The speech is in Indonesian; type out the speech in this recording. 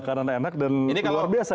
karena enak dan luar biasa